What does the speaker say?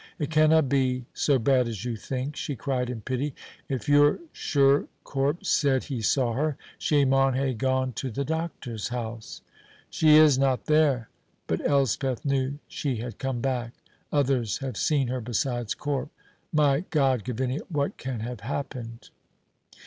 "It canna be so bad as you think," she cried in pity. "If you're sure Corp said he saw her, she maun hae gone to the doctor's house." "She is not there. But Elspeth knew she had come back. Others have seen her besides Corp. My God, Gavinia! what can have happened?"